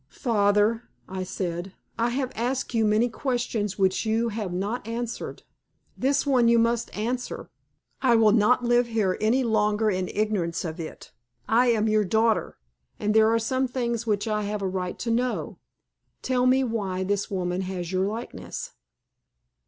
"Father," I said, "I have asked you many questions which you have not answered. This one you must answer. I will not live here any longer in ignorance of it. I am your daughter, and there are some things which I have a right to know. Tell me why this woman has your likeness?"